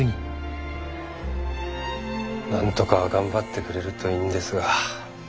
なんとか頑張ってくれるといいんですが。